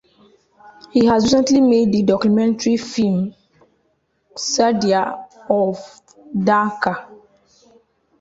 He has recently made The documentary film Qasida of Dhaka.